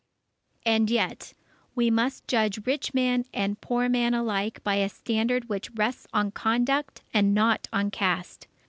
_ _And yet, we must judge rich man and poor man alike by a standard which rests on conduct and not on caste.